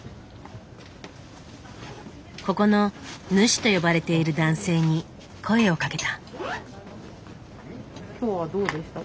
ここの「主」と呼ばれている男性に声をかけた。